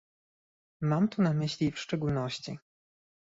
Mam tu na myśli w szczególności